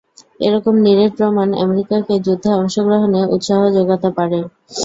এরকম নিরেট প্রমাণ আমেরিকাকে যুদ্ধে অংশগ্রহণের উৎসাহ জোগাতে পারে।